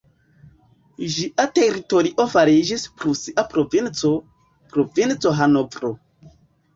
Ĝia teritorio fariĝis prusia provinco, "provinco Hanovro".